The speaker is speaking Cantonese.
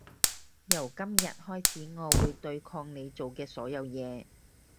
由今日開始我會對抗你做嘅所有嘢